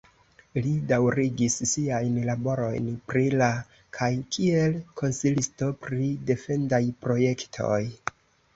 Li daŭrigis siajn laborojn pri la kaj kiel konsilisto pri defendaj projektoj.